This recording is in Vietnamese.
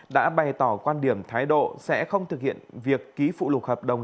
đã bày tỏ quan điểm thái độ sẽ không thực hiện việc ký phụ lục hợp đồng